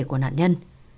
của nạn nhân